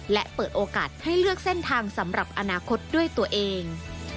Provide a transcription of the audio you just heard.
และเปิดโอกาสให้เลือกเส้นทางสำหรับอนาคตด้วยตัวเอง